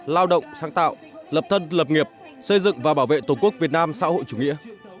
lao động sáng tạo lập thân lập nghiệp xây dựng và bảo vệ tổ quốc việt nam xã hội chủ nghĩa